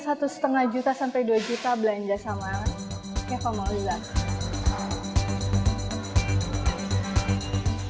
satu setengah juta sampai dua juta belanja sama kepa mausa